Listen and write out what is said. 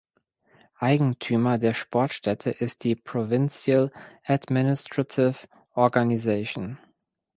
Eigentümer der Sportstätte ist die "Provincial Administrative Organization".